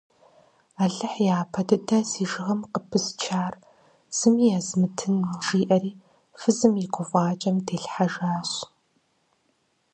Алыхь япэ дыдэ си жыгым къыпысчар зыми езмытын, – жиӏэри фызым и гуфӏакӏэм дилъхьэжащ.